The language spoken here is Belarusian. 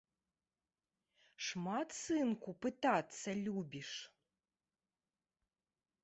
Шмат, сынку, пытацца любіш.